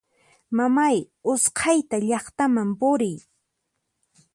Mamay usqhayta llaqtaman puriy!